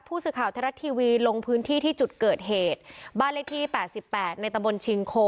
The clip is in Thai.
ผู้สื่อข่าวไทยรัฐทีวีลงพื้นที่ที่จุดเกิดเหตุบ้านเลขที่แปดสิบแปดในตะบนชิงโค